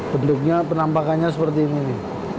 publiknya penampakannya seperti ini